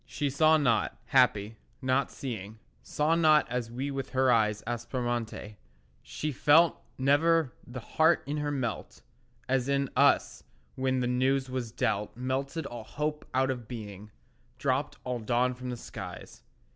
She saw not—happy, not seeing— Saw not as we with her eyes Aspromonte; she felt Never the heart in her melt As in us when the news was dealt Melted all hope out of being, Dropped all dawn from the skies.